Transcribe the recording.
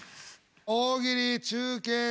大喜利中継